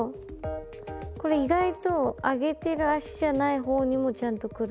これ意外と上げてる脚じゃない方にもちゃんとくる。